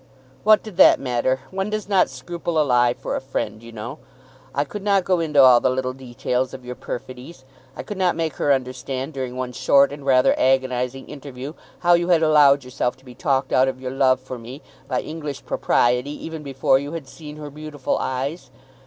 "What did that matter? One does not scruple a lie for a friend, you know! I could not go into all the little details of your perfidies. I could not make her understand during one short and rather agonizing interview how you had allowed yourself to be talked out of your love for me by English propriety even before you had seen her beautiful eyes.